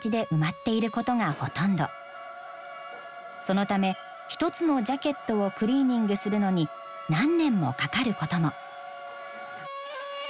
そのため１つのジャケットをクリーニングするのに何年もかかることも。